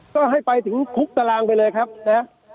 ก็ให้ไปถึงคุกตารางไปเลยครับนะฮะ